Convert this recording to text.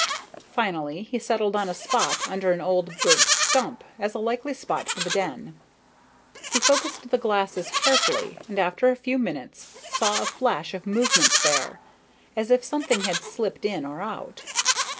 Finally, he settled on a spot under an old burnt stump as a likely spot for the den. He focused the glasses carefully and after a few minutes saw a flash of movement there, as if something had slipped in or out.